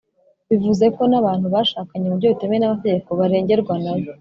bivuze ko n’abantu bashakanye mu buryo butemewe n’amategeko barengerwa nayo.